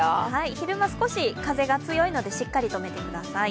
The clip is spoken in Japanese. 昼間少し風が強いので、しっかり止めてください。